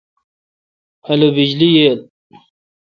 الو بجلی ییل۔؟